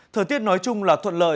thời tiết nói chung là thuận lợi